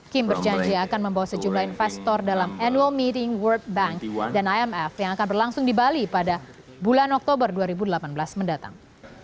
kim berjanji akan membawa sejumlah investor dalam annual meeting world bank dan imf yang akan berlangsung di bali pada bulan oktober dua ribu delapan belas mendatang